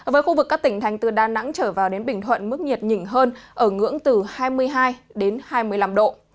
với khu vực các tỉnh thành từ đà nẵng trở vào đến bình thuận mức nhiệt nhỉnh hơn ở ngưỡng từ hai mươi hai hai mươi năm độ